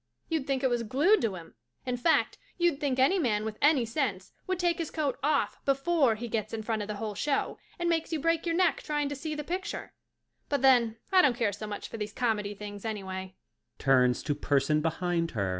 You'd think it was glued to him, in fact you'd think any man with any sense would take his coat off before he gets in front of the whole show and makes you break your neck trying to see the picture, but then, I don't care so much for these comedy things anyway.